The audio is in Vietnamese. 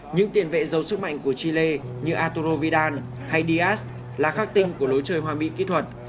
những tiền vệ giấu sức mạnh của chile như arturo vidal hay diaz là khắc tinh của lối chơi hoa mi kỹ thuật